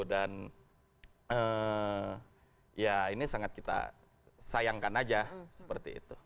dan ya ini sangat kita sayangkan aja seperti itu